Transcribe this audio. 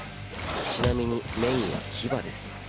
ちなみにメインは牙です。